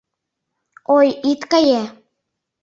— Ой, ит кае.